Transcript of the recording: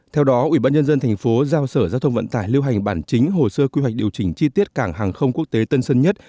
theo đó ủy ban nhân dân tp hcm giao sở giao thông vận tải lưu hành bản chính hồ sơ quy hoạch điều chỉnh chi tiết cảng hàng không quốc tế tân sơn nhất